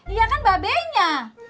iya kan babenya